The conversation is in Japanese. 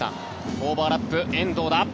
オーバーラップ、遠藤だ。